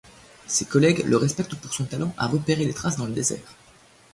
Ses collègues le respectent pour son talent à repérer les traces dans le désert.